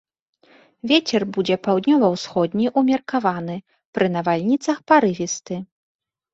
Вецер будзе паўднёва-ўсходні, умеркаваны, пры навальніцах парывісты.